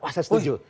wah saya setuju